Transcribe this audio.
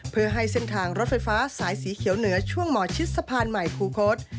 เพื่อให้เส้นทางรถไฟฟ้าสายสีเขียวเหนือช่วงหมอชิดสะพานใหม่คูคศ